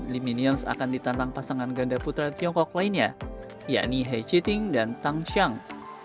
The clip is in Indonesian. dominions akan ditantang pasangan ganda putra tiongkok lainnya yaitu hei chi ting dan tang xiang